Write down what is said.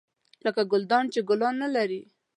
لکه ګلدان چې ګلان نه لري .